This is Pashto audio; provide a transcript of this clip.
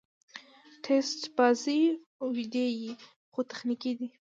ټېسټ بازي اوږدې يي، خو تخنیکي دي.